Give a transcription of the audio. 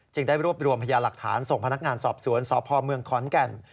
ได้รวบรวมพยาหลักฐานส่งพนักงานสอบสวนสพเมืองขอนแก่น